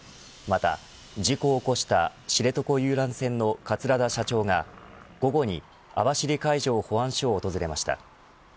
また事故を起こした知床遊覧船の桂田社長が午後に網走海上保安署を訪れました。